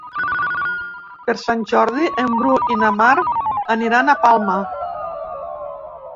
Per Sant Jordi en Bru i na Mar aniran a Palma.